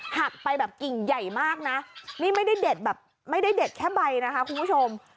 หักไปแบบกิ่งใหญ่มากนะนี่ไม่ได้เด็ดแบบไม่ได้เด็ดแค่ใบนะคะคุณผู้ชม